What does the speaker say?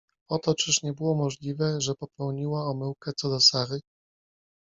Oto czyż nie było możliwe, że popełniła omyłkę co do Sary?